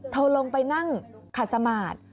เธอลงไปนั่งขัดสมาธิ